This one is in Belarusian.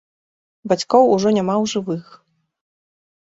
Бацькоў ужо няма ў жывых.